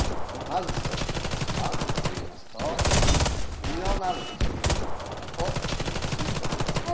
まず１つはといいますと実のなる木を植えてみるって。